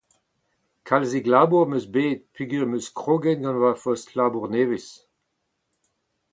Kalzik labour am eus bet peogwir em eus kroget gant ma fost-labour nevez.